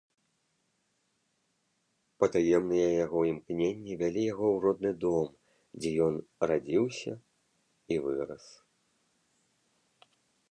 Патаемныя яго імкненні вялі яго ў родны дом, дзе ён радзіўся і вырас.